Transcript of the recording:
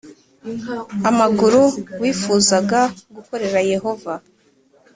amaguru wifuzaga gukorera Yehova